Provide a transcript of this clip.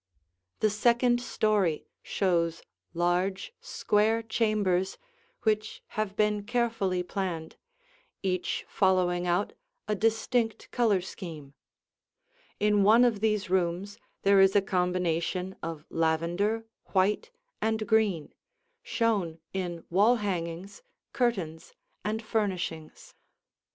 [Illustration: Two of the Chambers] The second story shows large, square chambers which have been carefully planned, each following out a distinct color scheme. In one of these rooms there is a combination of lavender, white, and green, shown in wall hangings, curtains, and furnishings.